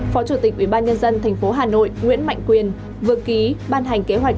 phó chủ tịch ubnd tp hà nội nguyễn mạnh quyền vừa ký ban hành kế hoạch